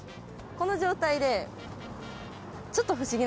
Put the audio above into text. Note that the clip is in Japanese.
この状態で。